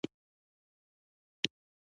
ګلان تازه هوا جوړوي.